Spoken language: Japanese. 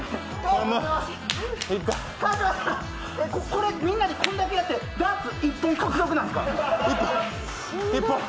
これ、みんなでこんだけやってダーツ１本獲得なんですか？